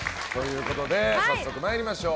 早速参りましょう。